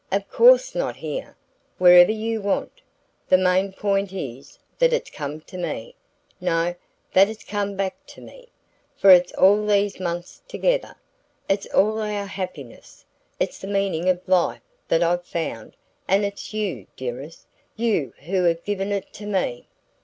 "Of course not here. Wherever you want. The main point is that it's come to me no, that it's come BACK to me! For it's all these months together, it's all our happiness it's the meaning of life that I've found, and it's you, dearest, you who've given it to me!"